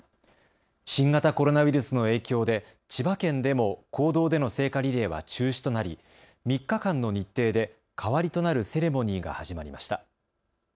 新型コロナウイルスの影響で千葉県でも公道での聖火リレーは中止となり３日間の日程で代わりとなるセレモニーが始まりました。